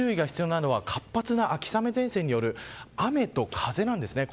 今日、注意が必要なのは活発な秋雨前線による雨と風です。